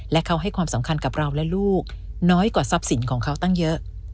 และเขาให้ความสำคัญกับเราและลูกน้อยกว่าทรัพย์สินของเขาตั้งเยอะ